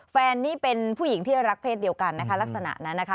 แฟนนี่เป็นผู้หญิงที่รักเศษเดียวกันนะคะลักษณะนั้นนะคะ